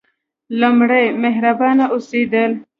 لومړی: مهربانه اوسیدل.